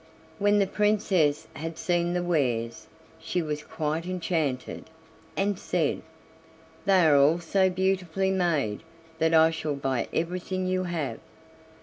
When the Princess had seen the wares she was quite enchanted, and said: "They are all so beautifully made that I shall buy everything you have."